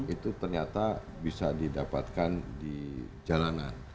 itu ternyata bisa didapatkan di jalanan